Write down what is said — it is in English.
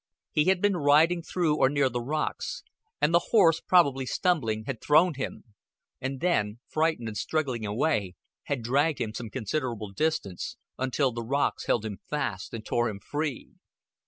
He had been riding through or near the rocks, and the horse, probably stumbling, had thrown him; and then, frightened and struggling away, had dragged him some considerable distance, until the rocks held him fast and tore him free.